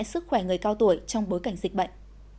sức khỏe người cao tuổi trong bối cảnh dịch bệnh